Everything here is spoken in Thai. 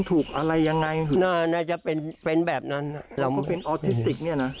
ถูกอะไรยังไงน่าจะเป็นเป็นแบบนั้นเรามาเป็นออทิสติกเนี่ยนะ